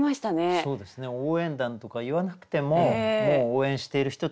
そうですね「応援団」とか言わなくてももう応援している人たちが見えるように。